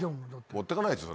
持ってかないですよ。